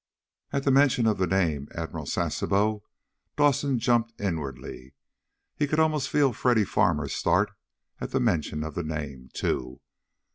At the mention of the name, Admiral Sasebo, Dawson jumped inwardly. And he could almost feel Freddy Farmer start at the mention of the name, too.